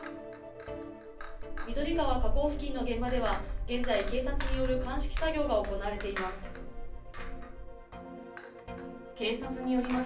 緑川河口付近の現場では、現在、警察による鑑識作業が行われています。